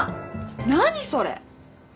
何それ！？